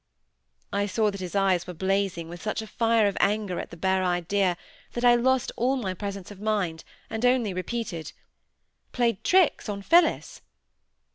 I saw that his eyes were blazing with such a fire of anger at the bare idea, that I lost all my presence of mind, and only repeated,— "Played tricks on Phillis!"